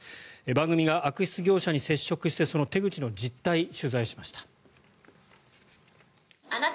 番組が悪質業者に接触してその手口の実態を取材しました。